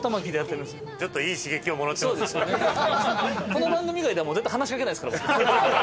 この番組以外では絶対話しかけないですから僕。